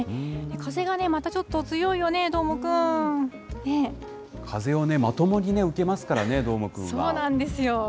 風がまたちょっと強いよね、どー風をまともに受けますからね、そうなんですよ。